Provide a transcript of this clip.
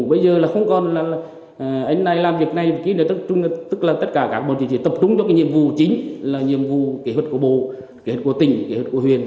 bây giờ là không còn là anh này làm việc này tức là tất cả các bộ chiến sĩ tập trung cho cái nhiệm vụ chính là nhiệm vụ kế hoạch của bộ kế hoạch của tỉnh kế hoạch của huyện